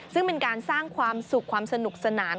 ซึ่งเป็นการสร้างความสุขความสนุกสนาน